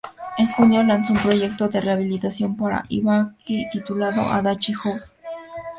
En junio, lanzó un proyecto de revitalización para Ibaraki titulado "Adachi House".